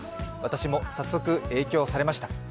私も早速、影響されました。